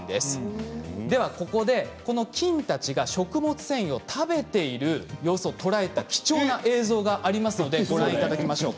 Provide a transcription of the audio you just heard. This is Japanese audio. ではここでこの菌たちが食物繊維を食べている様子を捉えた貴重な映像がありますのでご覧頂きましょう。